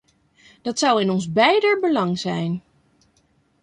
Dat zou in ons beider belang zijn.